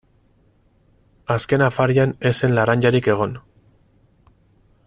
Azken afarian ez zen laranjarik egon.